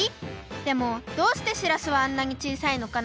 でもどうしてしらすはあんなにちいさいのかな？